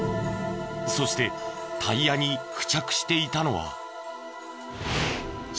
そしてタイヤに付着していたのは。